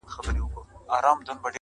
چي کرلي غزل ستوری په ا وبه کم-